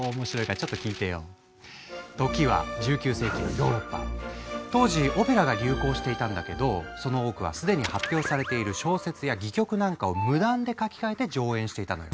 時は当時オペラが流行していたんだけどその多くは既に発表されている小説や戯曲なんかを無断で書き換えて上演していたのよ。